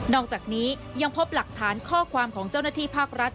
อกจากนี้ยังพบหลักฐานข้อความของเจ้าหน้าที่ภาครัฐ